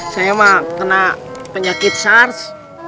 saya emang kena penyakit sars